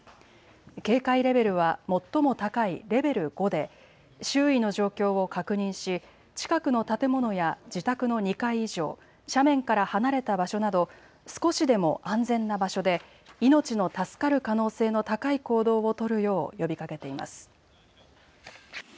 警戒レベルは最も高いレベル５で周囲の状況を確認し近くの建物や自宅の２階以上、斜面から離れた場所など、少しでも安全な場所で命の助かる可能性の高い行動を取るよう呼びかけています。